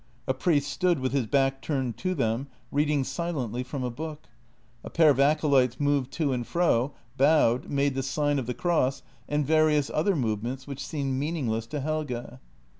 A priest stood with his back turned to them, reading silently from a book; a pair of acolytes moved to and fro, bowed, made the sign of the cross and various other movements which seemed meaningless to Helge.